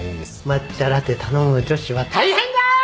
抹茶ラテ頼む女子は大変だー！